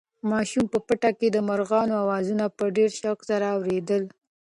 ماشوم په پټي کې د مرغانو اوازونه په ډېر شوق سره اورېدل.